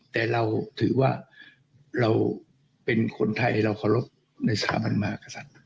แต่เราถือว่าเราเป็นคนไทยเราเคารพในสถาบันมากษัตริย์